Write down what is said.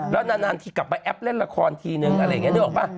แล้วนานทีกลับไปแอปเล่นละครทีนึงอะไรอย่างนี้นึกออกป่ะ